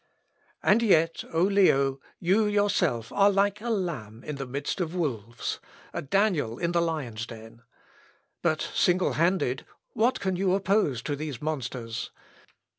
"And yet, O Leo, you yourself are like a lamb in the midst of wolves a Daniel in the lions' den. But single handed, what can you oppose to these monsters?